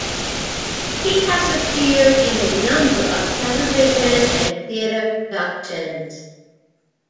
He has appeared in a number of television and theatre productions.